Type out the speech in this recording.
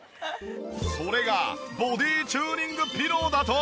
それがボディチューニングピローだと？